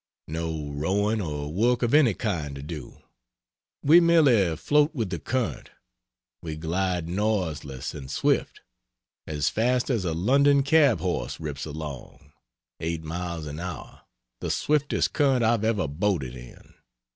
No rowing or work of any kind to do we merely float with the current we glide noiseless and swift as fast as a London cab horse rips along 8 miles an hour the swiftest current I've ever boated in.